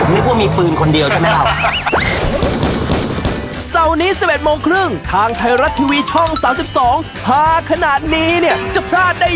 นึกว่ามีปืนคนเดียวใช่ไหมครับ